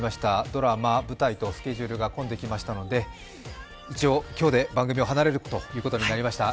ドラマ、舞台とスケジュールが混んできましたので、一応、今日で番組を離れることになりました。